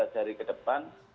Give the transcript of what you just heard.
empat tiga hari ke depan